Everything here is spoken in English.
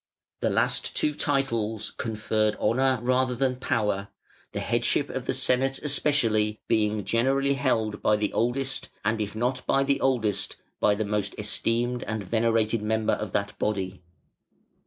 The last two titles conferred honour rather than power; the headship of the Senate especially being generally held by the oldest, and if not by the oldest, by the most esteemed and venerated member of that body.